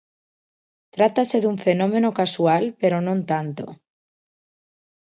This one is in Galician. Trátase dun fenómeno casual, pero non tanto.